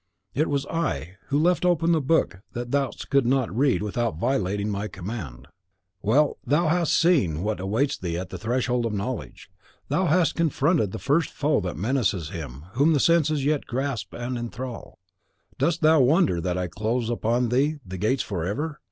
It was I who left open the book that thou couldst not read without violating my command. Well, thou hast seen what awaits thee at the threshold of knowledge. Thou hast confronted the first foe that menaces him whom the senses yet grasp and inthrall. Dost thou wonder that I close upon thee the gates forever?